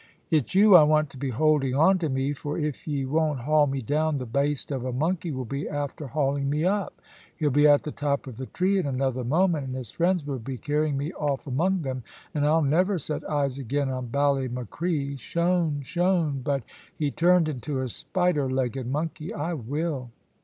"It's you I want to be holding on to me, for if ye won't haul me down the baste of a monkey will be after hauling me up. He'll be at the top of the tree in another moment, and his friends will be carrying me off among them, and I'll never set eyes again on Ballymacree, shone! shone! but be turned into a spider legged monkey, I will!"